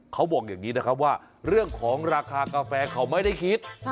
เขาบอกอย่างนี้นะครับว่าเรื่องของราคากาแฟเขาไม่ได้คิด